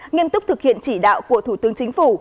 nghiêm túc thực hiện chỉ đạo của thủ tướng chính phủ